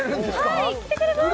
はい来てくれます